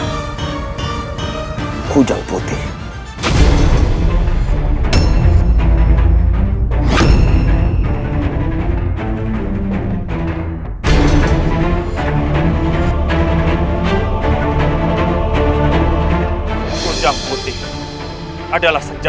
memang harus dihancurkan